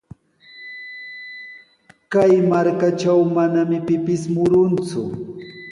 Kay markatraw manami pipis murunku.